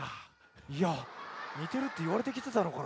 いやにてるっていわれてきてたのかな。